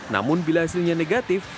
namun bila hasilnya negatif